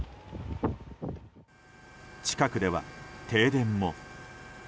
近くでは、停電も。